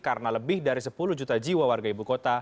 karena lebih dari sepuluh juta jiwa warga ibu kota